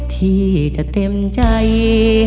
ที่จะเต็มใจ